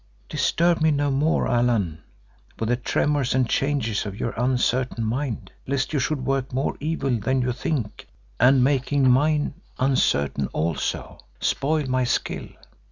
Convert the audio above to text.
"Disturb me no more, Allan, with the tremors and changes of your uncertain mind, lest you should work more evil than you think, and making mine uncertain also, spoil my skill.